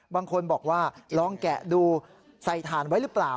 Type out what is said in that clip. บางคนบอกว่าลองแกะดูใส่ถ่านไว้หรือเปล่า